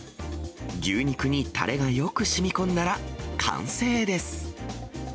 牛肉にたれがよくしみこんだら、完成です。